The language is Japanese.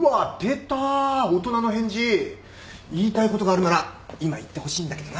言いたいことがあるなら今言ってほしいんだけどな。